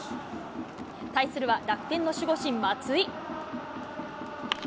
対するは楽天の守護神、松井。